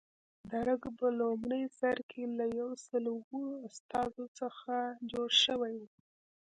درګ په لومړي سر کې له یو سل اوه استازو څخه جوړ شوی و.